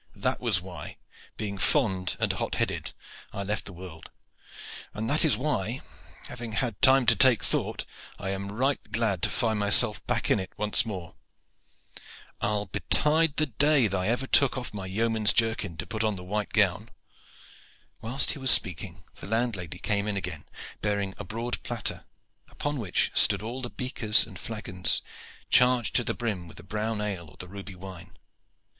That was why, being fond and hot headed, I left the world; and that is why, having had time to take thought, I am right glad to find myself back in it once more. Ill betide the day that ever I took off my yeoman's jerkin to put on the white gown!" Whilst he was speaking the landlady came in again, bearing a broad platter, upon which stood all the beakers and flagons charged to the brim with the brown ale or the ruby wine.